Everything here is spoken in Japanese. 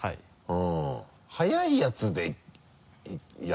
うん。